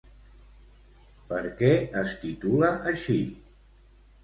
Per què es titula així?